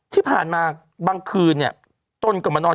ที่ผ่านมาบางคืนต้นกลับมานอน